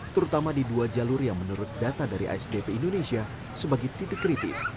terutama di dua jalur yang menurut data dari asdp indonesia sebagai titik kritis